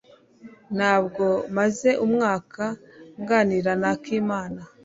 Ntabwo maze umwaka nganira na Akimana.